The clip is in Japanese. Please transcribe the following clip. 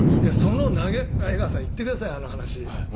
江川さん言ってください、あの話。